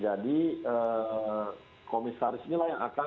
jadi komisaris inilah yang akan